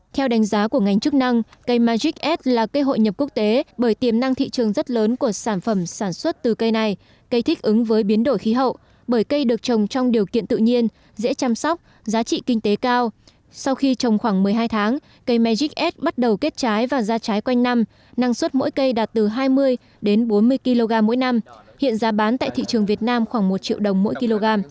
theo đánh giá của ngành chức năng cây magic s là cây hội nhập quốc tế bởi tiềm năng thị trường rất lớn của sản phẩm sản xuất từ cây này cây thích ứng với biến đổi khí hậu bởi cây được trồng trong điều kiện tự nhiên dễ chăm sóc giá trị kinh tế cao sau khi trồng khoảng một mươi hai tháng cây magic s bắt đầu kết trái và ra trái quanh năm năng suất mỗi cây đạt từ hai mươi đến bốn mươi kg mỗi năm hiện giá bán tại thị trường việt nam khoảng một triệu đồng mỗi kg